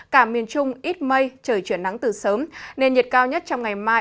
cả miền trung ít mây trời chuyển nắng từ sớm nên nhiệt cao nhất trong ngày mai